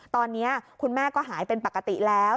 ตอนนี้คุณแม่ก็หายเป็นปกติแล้ว